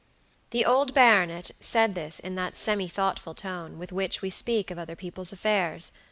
The old baronet said this in that semi thoughtful tone with which we speak of other people's affairs.